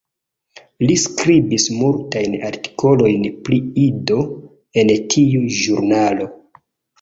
Li skribis multajn artikolojn pri Ido en tiu ĵurnalo.